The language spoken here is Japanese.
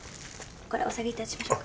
これお下げいたしましょうか。